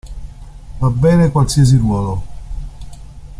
Va bene qualsiasi ruolo.